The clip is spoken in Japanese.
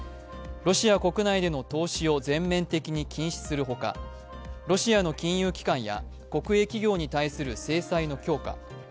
ロシア国内での投資を全面的に禁止するほか、ロシアの金融機関や国営企業に対する制裁の強化